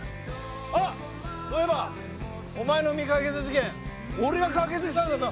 あっそういえばお前の未解決事件俺が解決したんだぞ。